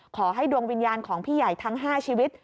ขอให้ดวงวิญญาณของพี่ใหญ่ทั้ง๕ชีวิต